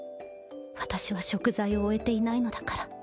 私は贖罪を終えていないのだから。